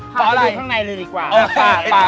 ขอดูข้างในเลยดีกว่า